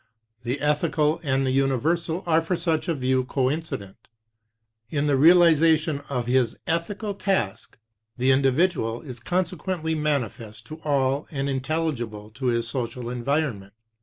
The ethical and the universal are for such a view coincident. In the realization of his ethical task the individual is consequently manifest to all and intelli gible to his social environment.